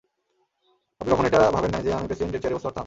আপনি কখনও এটা ভাবেন নাই যে যদি আমি প্রেসিডেন্ট এর চেয়ারে বসতে পারতাম?